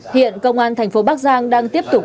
hiện công an thành phố bắc giang đang tiếp tục